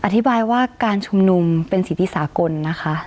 อธิบายว่าการชุมนุมเป็นสิทธิสากลนะคะ